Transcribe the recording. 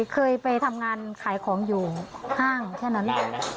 เคยไปทำงานขายของอยู่ห้างแค่นั้น